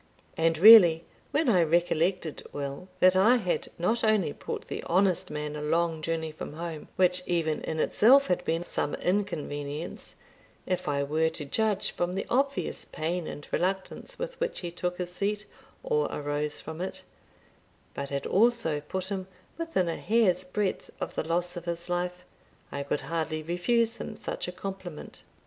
And really, when I recollected, Will, that I had not only brought the honest man a long journey from home, which even in itself had been some inconvenience (if I were to judge from the obvious pain and reluctance with which he took his seat, or arose from it), but had also put him within a hair's breadth of the loss of his life, I could hardly refuse him such a compliment.